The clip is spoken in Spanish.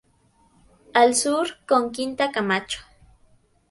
Al sur, con Quinta Camacho.